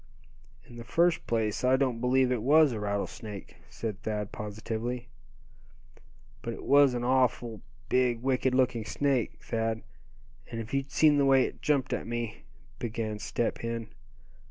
"In the first place, I don't believe it was a rattlesnake!" said Thad, positively. "But it was an awful big, wicked looking snake, Thad; and if you'd seen the way it jumped at me " began Step Hen.